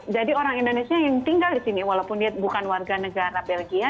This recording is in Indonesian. jadi orang indonesia yang tinggal di sini walaupun dia bukan warga negara belgia